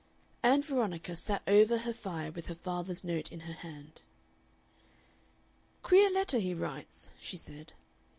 Ann Veronica sat over her fire with her father's note in her hand. "Queer letters he writes," she said.